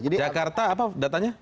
jakarta apa datanya